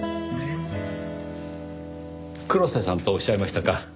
黒瀬さんとおっしゃいましたか。